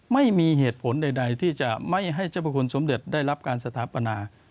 ไม่มีเหตุผลใดที่จะไม่ให้เจ้าพระคุณสมเด็จได้รับการสถาปนา